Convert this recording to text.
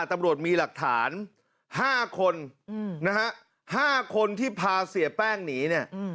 ตำรวจมีหลักฐาน๕คนนะฮะ๕คนที่พาเสียแป้งหนีเนี่ย